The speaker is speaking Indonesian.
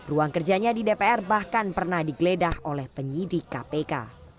ruang kerjanya di dpr bahkan pernah digeledah oleh penyidik kpk